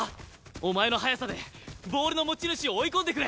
お前の速さでボールの持ち主を追い込んでくれ！